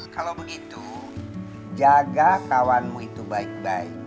kalau begitu jaga kawanmu itu baik baik